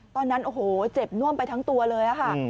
ตอนนั้นโอ้โหเจ็บน่วมไปทั้งตัวเลยค่ะ